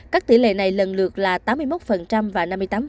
các tỷ lệ này lần lượt là tám mươi một và năm mươi tám